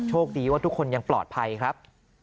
โชคดีว่าทุกคนยังปลอดภัยครับ